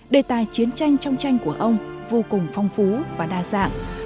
đề tài chiến tranh trong tranh của ông vô cùng phong phú và đa dạng